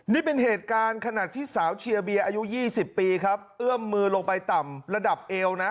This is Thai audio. นี่เป็นเหตุการณ์ขณะที่สาวเชียร์เบียร์อายุ๒๐ปีครับเอื้อมมือลงไปต่ำระดับเอวนะ